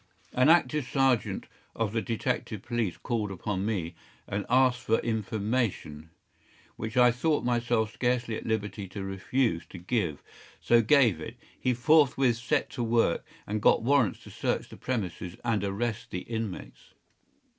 An active sergeant of the detective police called upon me, and asked for information, which I thought myself scarcely at liberty to refuse to give, so gave it. He forthwith set to work, and got warrants to search the premises and arrest the inmates.